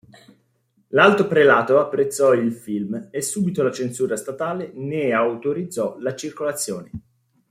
L'alto prelato apprezzò il film e subito la censura statale ne autorizzò la circolazione.